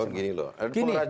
ini pak misbahun gini loh